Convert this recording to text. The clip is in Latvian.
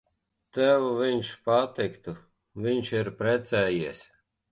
Tev viņš patiktu. Viņš ir precējies.